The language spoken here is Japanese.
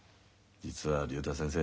私はね竜太先生。